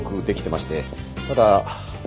ただ。